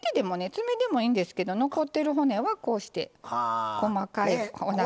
爪でもいいんですけど残ってる骨はこうして細かいおなかの骨。